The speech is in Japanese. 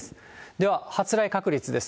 では、発雷確率です。